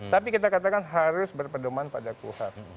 tapi kita katakan harus berpedoman pada kuhap